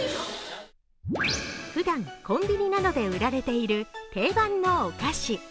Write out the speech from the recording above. ふだんコンビニなどで売られている定番のお菓子。